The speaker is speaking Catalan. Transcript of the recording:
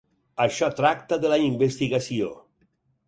Això tracta de la investigació.